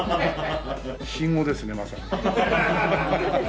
信号ですねまさにね。